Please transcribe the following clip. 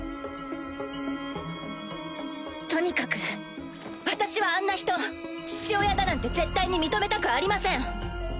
とにかく私はあんな人父親だなんて絶対に認めたくありません！